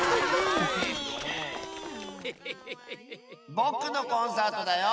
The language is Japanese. ぼくのコンサートだよ！